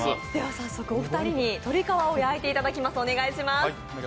早速、お二人に、とり皮を焼いていただきます。